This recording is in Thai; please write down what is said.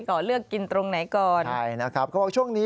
ก่อนเลือกกินตรงไหนก่อนใช่นะครับเขาบอกช่วงนี้